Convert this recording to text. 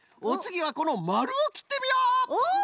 おつぎはこのまるをきってみよう！